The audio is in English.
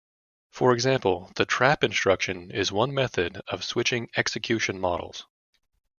For example, the trap instruction is one method of switching execution models.